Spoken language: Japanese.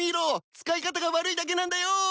使い方が悪いだけなんだよ！